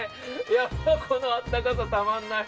このあったかさ、たまんない。